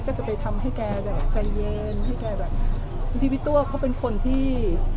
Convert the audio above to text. ก็จะไปทำให้แกแบบใจเย็นให้แกแบบบางทีพี่ตัวเขาเป็นคนที่